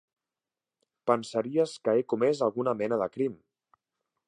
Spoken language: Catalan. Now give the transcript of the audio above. Pensaries que he comès alguna mena de crim!